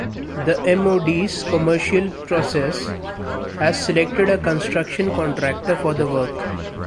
The MoD's commercial process has selected a construction contractor for the work.